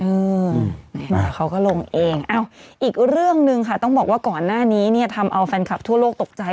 เออเนี่ยเขาก็ลงเองอ้าวอีกเรื่องหนึ่งค่ะต้องบอกว่าก่อนหน้านี้เนี่ยทำเอาแฟนคลับทั่วโลกตกใจ